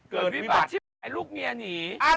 เกิดวิบัติแหมลูกเมียหนี